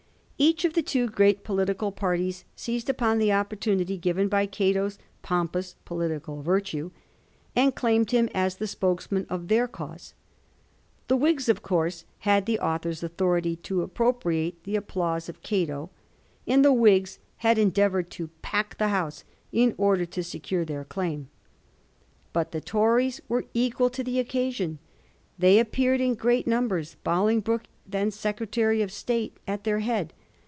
Each of the two great political parties seized upon the opportunity given by Gate's pompous political virtue, and claimed him as the spokesman of their cause. The Whigs, of course, had the author's authority to appropriate the applause of Cato, and the Whigs had endeavoured to pack the House in order to secure their claim. But the Tories were equal to the occasion. They appeared in great numbers, Bolingbroke, then Secretary of State, at their head.